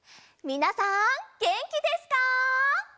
みなさんげんきですか？